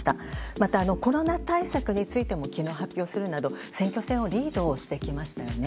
またコロナ対策についてもきのう発表するなど、選挙戦をリードをしてきましたよね。